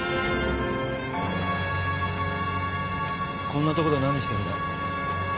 こんなとこで何してるんだ？